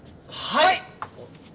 はい！